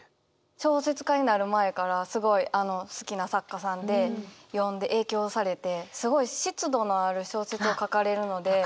小説家になる前からすごい好きな作家さんで読んで影響されてすごい湿度のある小説を書かれるので。